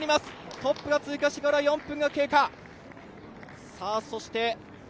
トップが通過してから４分が経過。